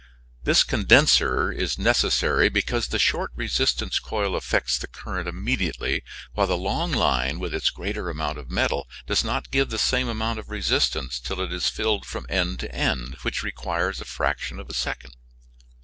This condenser is necessary, because the short resistance coil affects the current immediately, while the long line with its greater amount of metal does not give the same amount of resistance till it is filled from end to end, which requires a fraction of a second.